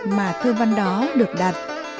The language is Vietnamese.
mà thơ văn đó được đặt